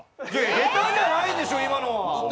下手じゃないでしょう、今のは。